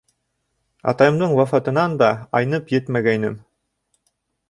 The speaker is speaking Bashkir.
Атайымдың вафатынан да айнып етмәгәйнем.